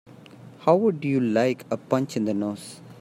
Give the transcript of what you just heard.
How would you like a punch in the nose?